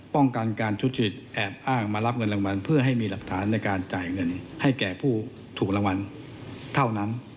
ป้องกันการทุจริตแอบอ้างมารับเงินรางวัลเพื่อให้มีหลักฐานในการจ่ายเงินให้แก่ผู้ถูกรางวัลเท่านั้น